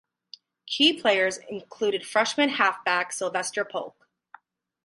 Key players included freshman halfback Sylvester Polk.